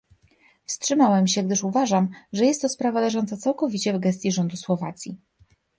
Wstrzymałem się gdyż uważam, że jest to sprawa leżąca całkowicie w gestii rządu Słowacji